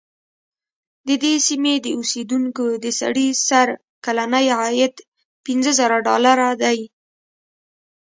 د دې سیمې د اوسېدونکو د سړي سر کلنی عاید پنځه زره ډالره دی.